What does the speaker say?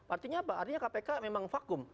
artinya apa artinya kpk memang vakum